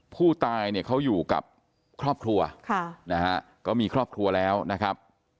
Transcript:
ผู้ตายเนี่ยเขาอยู่กับครอบครัวค่ะนะฮะก็มีครอบครัวแล้วนะครับ